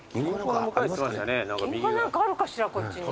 銀行なんかあるかしらこっちに。